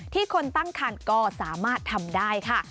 คนตั้งคันก็สามารถทำได้ค่ะ